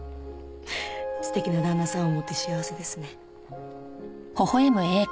素敵な旦那さんを持って幸せですね。